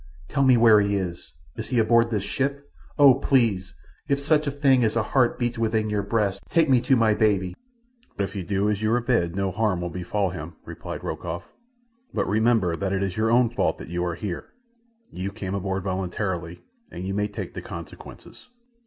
Tell me where he is. Is he aboard this ship? Oh, please, if such a thing as a heart beats within your breast, take me to my baby!" "If you do as you are bid no harm will befall him," replied Rokoff. "But remember that it is your own fault that you are here. You came aboard voluntarily, and you may take the consequences.